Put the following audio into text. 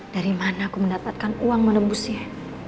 dari mana aku mendapatkan uang menembusnya